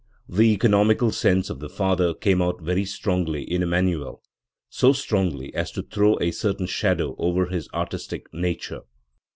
The economical sense of the father came out very strongly in Emmanuel, so strongly as to throw a certain shadow over his artistic nature.